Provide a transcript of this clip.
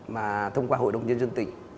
mà thông qua hội đồng nhân dân tỉnh